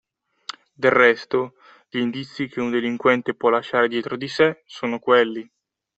Del resto, gli indizi che un delinquente può lasciare dietro di sé sono quelli.